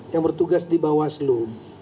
yang bertugas di bawaslu